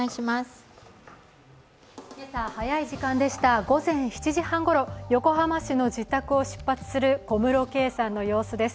今朝早い時間でした、午前７時半ごろ横浜市の自宅を出発する小室圭さんの様子です。